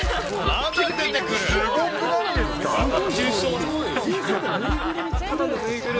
まだ出てくる。